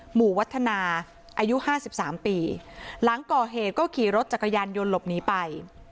วัฒนาอายุห้าสิบสามปีหลังก่อเหตุก็ขี่รถจักรยานยนต์หลบหนีไป